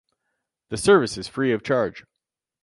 The service is free of charge.